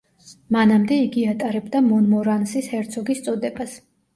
მანამდე იგი ატარებდა მონმორანსის ჰერცოგის წოდებას.